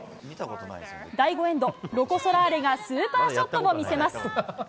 第５エンド、ロコ・ソラーレがスーパーショットを見せます。